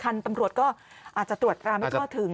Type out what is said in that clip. คันตำรวจก็อาจจะตรวจกราบไม่พอถึง